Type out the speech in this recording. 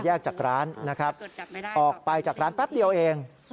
แยกจากร้านออกไปจากร้านแป๊บเดียวเอง